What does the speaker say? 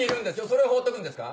それを放っておくんですか？